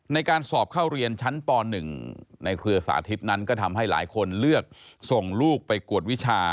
ในการสอบเข้าเรียนชั้นป๑ในเครือสาธิตนั้นก็ทำให้หลายคนเลือกส่งลูกไปกวดวิชา